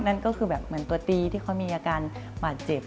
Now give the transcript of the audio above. นั่นก็คือแบบเหมือนตัวตีที่เขามีอาการบาดเจ็บ